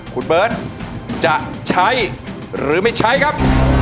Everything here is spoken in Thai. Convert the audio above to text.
คุณเบิร์ตจะใช้หรือไม่ใช้ครับ